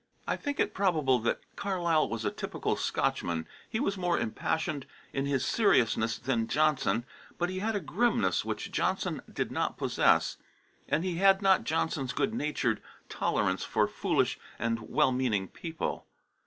I think it probable that Carlyle was a typical Scotchman; he was more impassioned in his seriousness than Johnson, but he had a grimness which Johnson did not possess, and he had not Johnson's good natured tolerance for foolish and well meaning people.